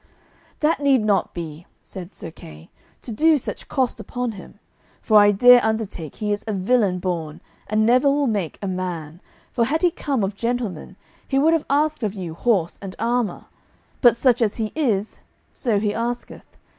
"That need not be," said Sir Kay, "to do such cost upon him; for I dare undertake he is a villain born, and never will make a man, for had he come of gentlemen he would have asked of you horse and armour; but such as he is, so he asketh.